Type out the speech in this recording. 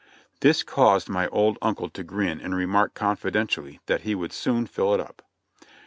This caused my old uncle to grin and remark confidentially that he would soon fill it up.